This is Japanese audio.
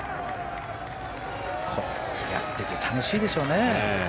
やってて楽しいでしょうね。